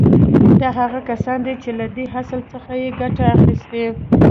دا هغه کسان دي چې له دې اصل څخه يې ګټه اخيستې.